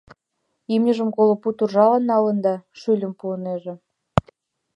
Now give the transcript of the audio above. Имньыжым коло пуд уржалан налын да, шӱльым пуынеже!..